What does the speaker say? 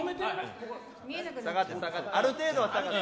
下がって、ある程度は下がって。